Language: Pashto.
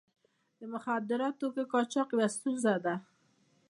د مخدره توکو قاچاق یوه ستونزه ده.